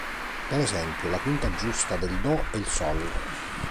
Per esempio, la quinta giusta del Do è il Sol.